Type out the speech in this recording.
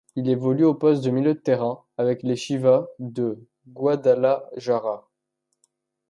Il évolue au poste de milieu de terrain avec les Chivas de Guadalajara.